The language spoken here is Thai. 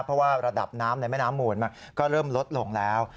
เพราะว่าระดับน้ำในแม่น้ำหมูลก็เริ่มลดลงแล้ว